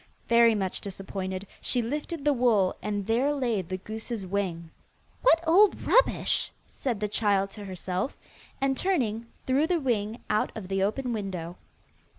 Very much disappointed, she lifted the wool, and there lay the goose's wing. 'What old rubbish,' said the child to herself, and, turning, threw the wing out of the open window.